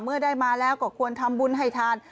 เมื่อได้มาแล้วก็ควรทำบุญให้ทาน